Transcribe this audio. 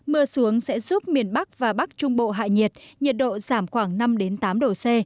mưa xuống sẽ giúp miền bắc và bắc trung bộ hạ nhiệt nhiệt độ giảm khoảng năm tám độ c